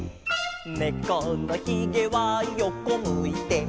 「ねこのひげは横むいて」